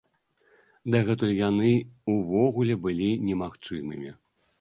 Дагэтуль яны ўвогуле былі немагчымымі.